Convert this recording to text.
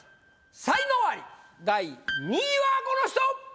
才能アリ第２位はこの人！